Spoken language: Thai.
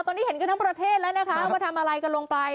ตอนนี้เห็นกันทั้งประเทศแล้วนะคะว่าทำอะไรกันลงไป